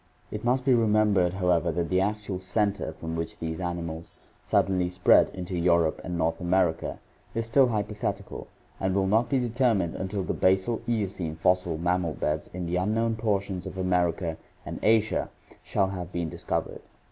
It must be remembered, however, that the actual center from which these animals suddenly spread into Europe and North America is still hypothetical and will not be determined until the basal Eocene fossil mammal beds 562 ORGANIC EVOLUTION in the unknown portions of America and Asia shall have been dis covered.